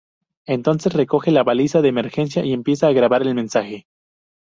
Entonces recoge la baliza de emergencia y empieza a grabar el mensaje.